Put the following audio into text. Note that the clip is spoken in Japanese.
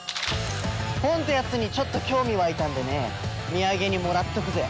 本ってやつにちょっと興味湧いたんでね土産にもらっとくぜ。